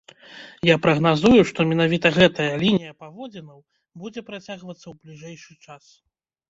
Я прагназую, што менавіта гэтая лінія паводзінаў будзе працягвацца ў бліжэйшы час.